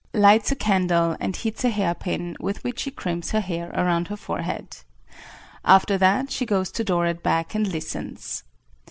Lights a candle and heats a hair pin with which she crimps her hair around her forehead. After that she goes to door at back and listens.